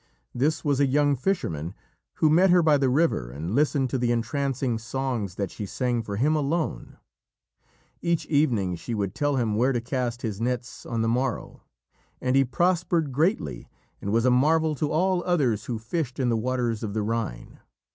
This was a young fisherman, who met her by the river and listened to the entrancing songs that she sang for him alone. Each evening she would tell him where to cast his nets on the morrow, and he prospered greatly and was a marvel to all others who fished in the waters of the Rhine.